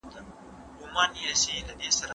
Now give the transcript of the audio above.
لارښود باید د شاګرد له ګام سره ګام واخلي.